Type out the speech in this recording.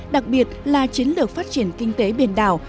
đặc biệt là chiến lược phát triển kinh tế biển đảo